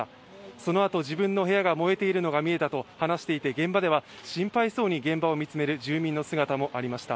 そのあと自分の部屋が燃えているのが見えたと話していて、現場では心配そうに現場を見つめる住民の姿もありました。